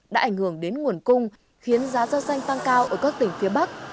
đã ảnh hưởng đến nguồn cung khiến giá giao danh tăng cao ở các tỉnh phía bắc